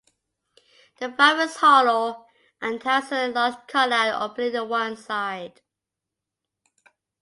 The valve is hollow, and has a large cut-out opening in one side.